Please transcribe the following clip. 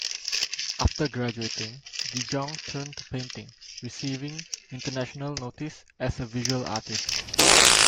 After graduating, De Jong turned to painting, receiving international notice as a visual artist.